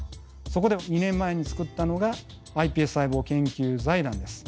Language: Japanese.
そこで２年前に作ったのがｉＰＳ細胞研究財団です。